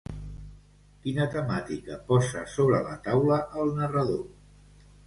Quina temàtica posa sobre la taula el narrador?